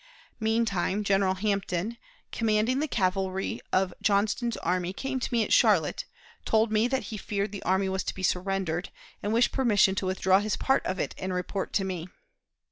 Meantime, General Hampton, commanding the cavalry of Johnston's army, came to me at Charlotte, told me that he feared the army was to be surrendered, and wished permission to withdraw his part of it and report to me.